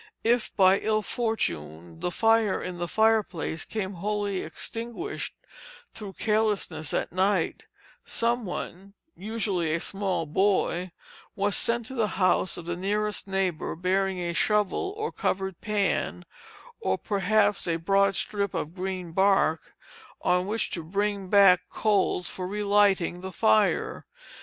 If by ill fortune the fire in the fireplace became wholly extinguished through carelessness at night, some one, usually a small boy, was sent to the house of the nearest neighbor, bearing a shovel or covered pan, or perhaps a broad strip of green bark, on which to bring back coals for relighting the fire.